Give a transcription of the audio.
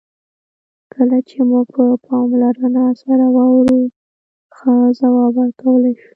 کله چې موږ په پاملرنه سره واورو، ښه ځواب ورکولای شو.